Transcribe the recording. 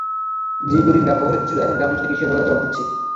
দীর্ঘদিন গ্রাম অবহেলিত ছিল, এখন গ্রাম নিজে থেকেই সেই অবহেলার জবাব দিচ্ছে।